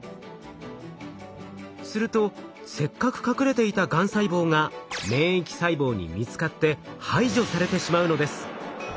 するとせっかく隠れていたがん細胞が免疫細胞に見つかって排除されてしまうのです。